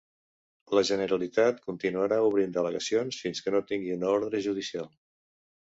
La Generalitat continuarà obrint delegacions fins que no tingui una ordre judicial